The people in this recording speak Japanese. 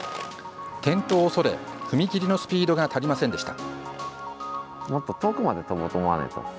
転倒を恐れ踏み切りのスピードが足りませんでした。